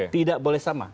tidak boleh sama